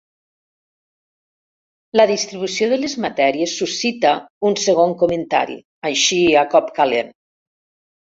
La distribució de les matèries suscita un segon comentari, així a cop calent.